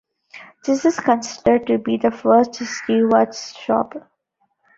This is considered to be the first Stewart's Shop.